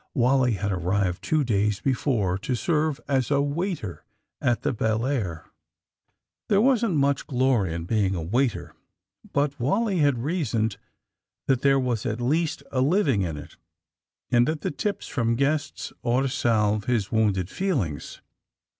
Wally had arrived two days before to serve as a waiter at the Belleair. There wasn't much glory in being a waiter, but Wally had reasoned that there was at least a living in it, and that the tips from guests ought to salve his wounded feelings.